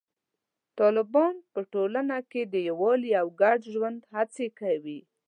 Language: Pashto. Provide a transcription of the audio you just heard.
طالبان په ټولنه کې د یووالي او ګډ ژوند هڅې کوي.